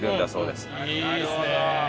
いいですね！